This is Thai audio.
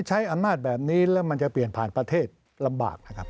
ใช้อำนาจแบบนี้แล้วมันจะเปลี่ยนผ่านประเทศลำบากนะครับ